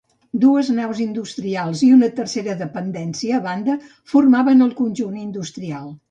Dues naus industrials i una tercera dependència a banda formaven el conjunt industrial.